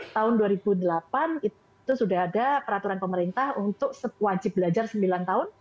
tahun dua ribu delapan itu sudah ada peraturan pemerintah untuk wajib belajar sembilan tahun